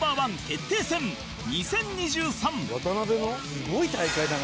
すごい大会だな。